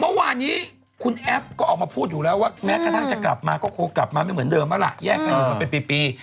เมื่อวานนี้คุณแอฟก็ออกมาพูดอยู่แล้วว่าแม้กระทั่งจะกลับมาก็คงกลับมาไม่เหมือนเดิมแล้วล่ะแยกกันอยู่มาเป็นปี